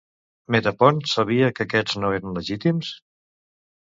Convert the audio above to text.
Metapont sabia que aquests no eren legítims?